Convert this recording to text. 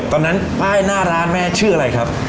ตอนนั้นป้ายหน้าร้านแม่ชื่ออะไรครับ